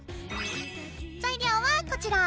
材料はこちら。